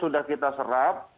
seratus sudah kita serap